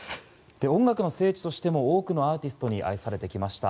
音楽の聖地としても多くのアーティストに愛されてきました。